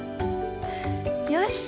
よし！